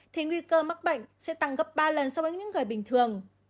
thì nguy cơ mắc bệnh sẽ tăng gấp ba lần so với những người bình thường